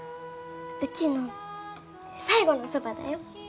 うちの最後のそばだよ。